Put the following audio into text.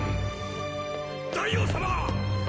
・大王様！